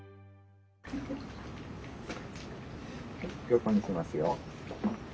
横にしますよ。